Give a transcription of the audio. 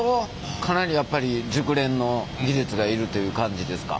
かなりやっぱり熟練の技術がいるという感じですか？